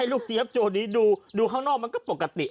อิลูกซีปโจนดูข้างนอกมันก็ปกติ